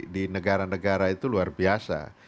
di negara negara itu luar biasa